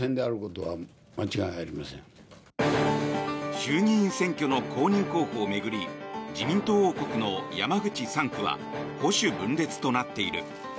衆議院選挙の公認候補を巡り自民党王国の山口３区は保守分裂となっている。